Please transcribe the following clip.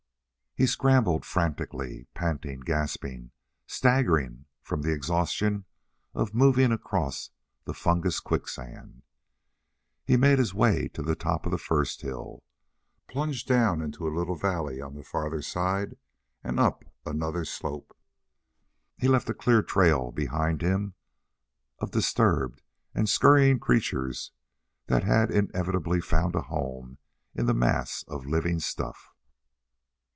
He scrambled frantically. Panting, gasping, staggering from the exhaustion of moving across the fungus quicksand, he made his way to the top of the first hill, plunged down into a little valley on the farther side, and up another slope. He left a clear trail behind him of disturbed and scurrying creatures that had inevitably found a home in the mass of living stuff.